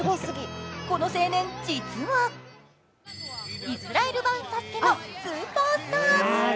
この青年、実はイスラエル版「ＳＡＳＵＫＥ」のスーパースター。